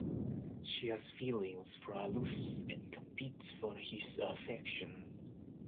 She has feelings for Alus and competes for his affection.